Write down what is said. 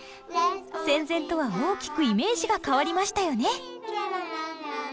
戦前とは大きくイメージが変わりましたよね。